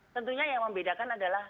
tentunya yang membedakan adalah